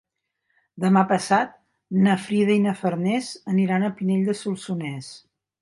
Demà passat na Frida i na Farners aniran a Pinell de Solsonès.